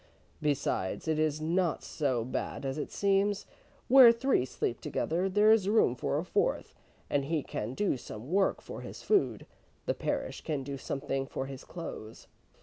Besides, it is not so bad as it seems. Where three sleep together there is room for a fourth, and he can do some work for his food. The parish can do something for his clothes."